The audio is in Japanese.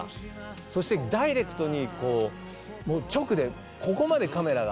そしてダイレクトに直でここまでカメラが。